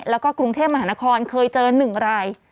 แล้วก็กรุงเทพมหานครเคยเจอ๑ราย